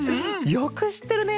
よくしってるね。